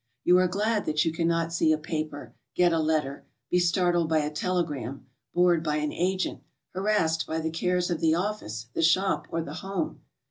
You are glad that you cannot see a paper, get a letter, be startled by a telegram, bored by an agent, harassed by the cares of the office, the shop, or the home.